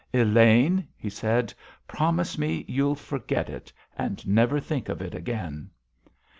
"Elaine," he said, "promise me you'll forget it, and never think of it again?"